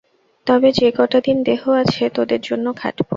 তবে যে-কটা দিন দেহ আছে, তোদের জন্য খাটব।